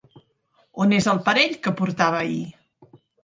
On és el parell que portava ahir?